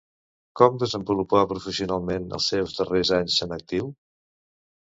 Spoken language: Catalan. Com desenvolupà professionalment els seus darrers anys en actiu?